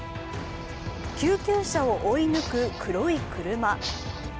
救急車を追い抜く黒い車。